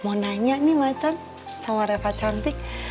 mau nanya nih macan sama reva santik